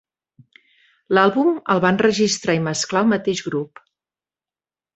L'àlbum el va enregistrar i mesclar el mateix grup.